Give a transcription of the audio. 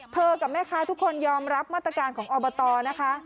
กับแม่ค้าทุกคนยอมรับมาตรการของอบตนะคะ